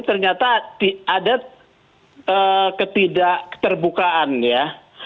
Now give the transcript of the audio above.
ternyata ada ketidakterbukaan ya